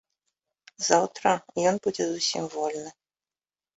Заўтра ён будзе зусім вольны.